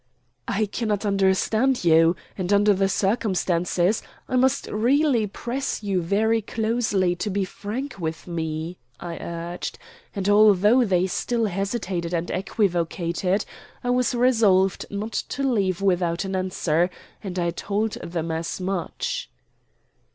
"I cannot understand you, and, under the circumstances, I must really press you very closely to be frank with me," I urged; and, although they still hesitated and equivocated, I was resolved not to leave without an answer, and I told them as much.